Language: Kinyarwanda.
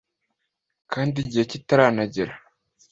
kandi igihe kitaranagera